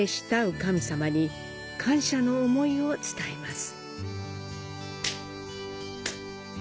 神様に感謝の思いを伝えます。